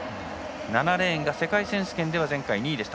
７レーンが世界選手権では２位でした